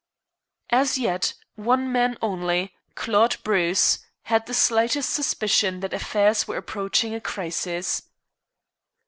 As yet, one man only, Claude Bruce, had the slightest suspicion that affairs were approaching a crisis.